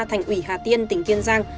thành ủy hà tiên tỉnh kiên giang